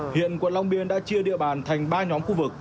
hiện quận long biên đã chia địa bàn thành ba nhóm